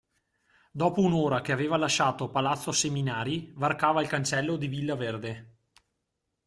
Dopo un'ora che aveva lasciato palazzo Seminari varcava il cancello di Villa Verde.